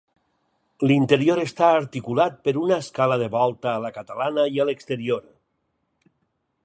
L'interior està articulat per una escala de volta a la catalana i a l'exterior.